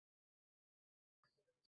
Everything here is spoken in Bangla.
ওই যে, ওরা আমাদের এখানে দেখে ফেলেছে।